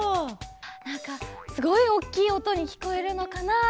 なんかすごいおっきいおとにきこえるのかなあっておもって。